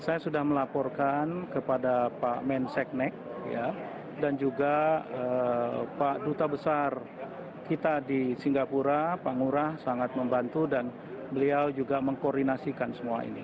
saya sudah melaporkan kepada pak menseknek dan juga pak duta besar kita di singapura pak ngurah sangat membantu dan beliau juga mengkoordinasikan semua ini